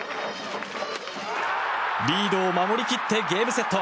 リードを守り切ってゲームセット。